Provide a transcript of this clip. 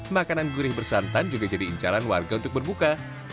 makanan gurih bersantan juga jadi incaran warga untuk berbuka